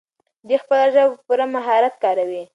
دی خپله ژبه په پوره مهارت کاروي.